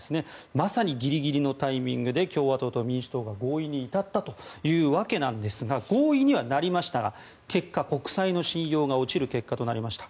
まさにギリギリのタイミングで共和党と民主党が合意に至ったというわけなんですが合意にはなりましたが結果、国債の信用が落ちる結果となりました。